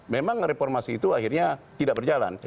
memang reformasi itu akhirnya tidak berjalan